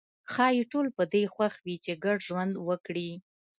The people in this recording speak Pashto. ښايي ټول په دې خوښ وي چې ګډ ژوند وکړي.